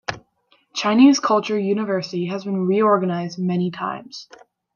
Chinese Culture University has been reorganized many times.